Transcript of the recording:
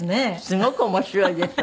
すごく面白いです。